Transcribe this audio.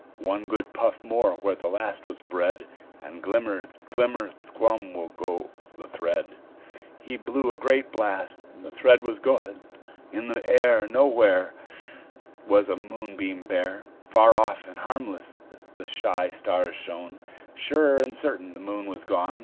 One good puff more where the last was bred, And glimmer, glimmer, glum will go the thread." He blew a great blast, and the thread was gone. In the air Nowhere Was a moonbeam bare; Far off and harmless the shy stars shone Sure and certain the Moon was gone!